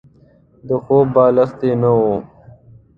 د خوب بالښت يې نه وو.